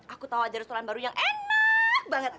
aku tahu aja restoran baru yang enak banget